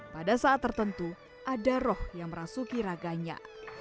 pada saat tertentu ada roh yang merasuki raganya